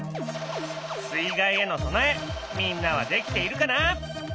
水害への備えみんなはできているかな？